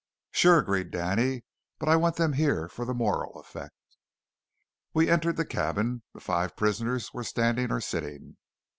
"Sure," agreed Danny, "but I want them here for the moral effect." We entered the cabin. The five prisoners were standing or sitting.